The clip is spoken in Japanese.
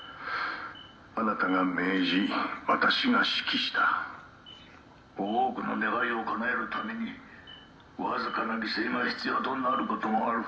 「あなたが命じ私が指揮した」「多くの願いを叶えるためにわずかな犠牲が必要となる事もある」